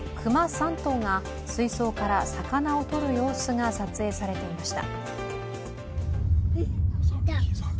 ３頭が水槽から魚をとる様子が撮影されていました。